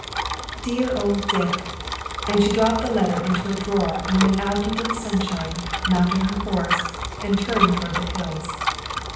"Dear old Dick!" and she dropped the letter into a drawer and went out into the sunshine, mounted her horse and turned toward the hills.